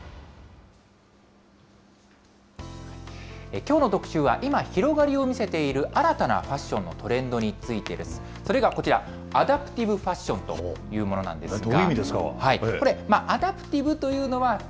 きょうの特集は、今広がりを見せている新たなファッションのトレンドについてです。それがこちら、アダプティブファッションというものなんですが。